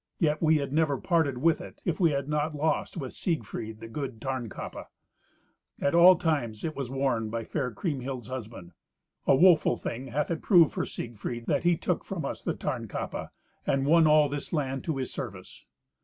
Yet we had never parted with it, if we had not lost with Siegfried the good Tarnkappe. At all times it was worn by fair Kriemhild's husband. A woeful thing hath it proved for Siegfried that he took from us the Tarnkappe, and won all this land to his service."